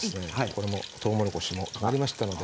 これもとうもろこしも揚がりましたので。